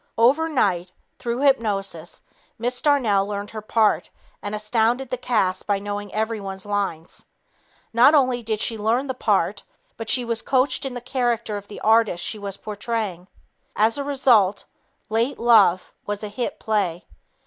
Overnight, through hypnosis, Miss Darnell learned her part and astounded the cast by knowing everyone's lines. Not only did she learn the part, but she was coached in the character of the artist she was portraying. As a result, "Late Love" was a hit play.